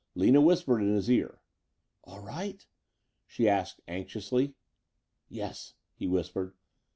Lina whispered in his ear. "All right?" she asked anxiously. "Yes," he whispered.